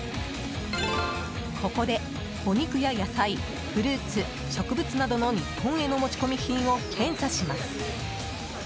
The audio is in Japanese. ここでお肉や、野菜、フルーツ植物などの日本への持ち込み品を検査します。